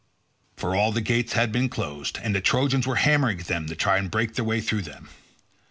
For all the gates had been closed, and the Trojans were hammering at them to try and break their way through them.